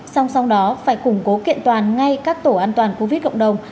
song song đó phải củng cố kiện toàn ngay các tổ an toàn covid cộng đồng